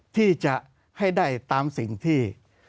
ที่จะให้ได้ตามสิ่งที่